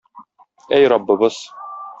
Әй, Раббыбыз!